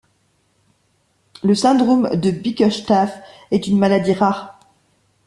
Le syndrome de Bickerstaff est une maladie rare.